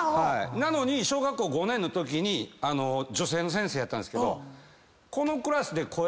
なのに小学校５年のときに女性の先生やったんですけど。